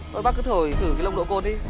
thôi bác cứ thở thử cái lồng độ côn đi